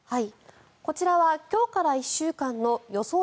こちらは今日から１週間の予想